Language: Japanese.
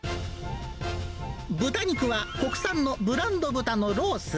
豚肉は国産のブランド豚のロース。